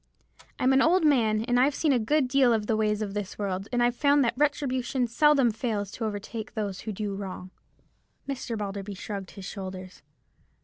I'm an old man, and I've seen a good deal of the ways of this world, and I've found that retribution seldom fails to overtake those who do wrong." Mr. Balderby shrugged his shoulders.